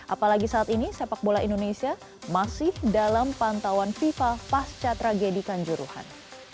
apalagi saat ini sepak bola indonesia masih dalam pantauan fifa pasca tragedi kanjuruhan